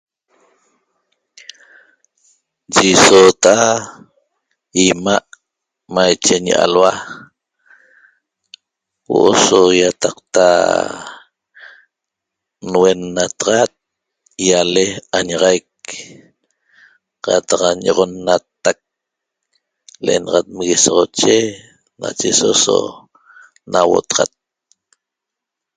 Yi soota'a 'ima' maiche ñialhua huo'o so ýataqta nuennataxat ýale añaxaic qataq ño'oxonnatac l'enaxat Meguesoxoche nacheso so nauotaxat